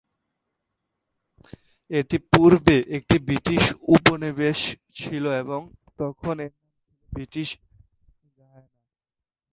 এটি পূর্বে একটি ব্রিটিশ উপনিবেশ ছিল এবং তখন এর নাম ছিল ব্রিটিশ গায়ানা।